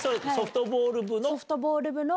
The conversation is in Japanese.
ソフトボール部の？